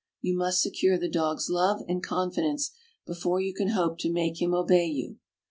You must secure the dog's love and confidence before you can hope to make him obey you.